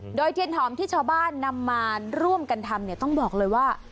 โดยเทียนหอมที่ชาวบ้านนำมาร่วมกันทำเนี่ยต้องบอกเลยว่า